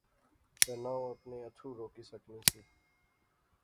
تہ نہ او اپنے اتھرو روکی سکنی سی